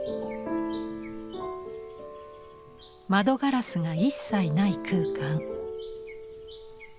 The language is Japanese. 窓ガラスが一切ない空間。